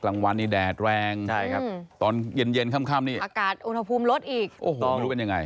กลางวันนี้แดดแรงบางแม่งตอนเย็นค่ำนี้โอ้โหไม่รู้เป็นยังไง